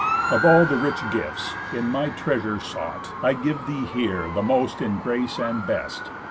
Of all the rich gifts, in my treasure sought, I give thee here the most in grace and best.